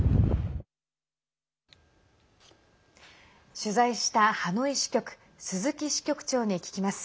取材した、ハノイ支局鈴木支局長に聞きます。